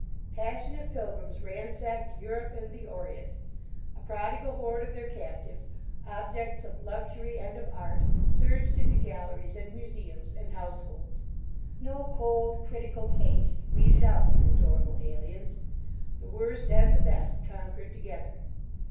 Passionate pilgrims ransacked Europe and the Orient; a prodigal horde of their captives, objects of luxury and of art, surged into galleries and museums and households. No cold, critical taste weeded out these adorable aliens. The worst and the best conquered, together.